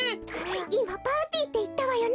いまパーティーっていったわよね？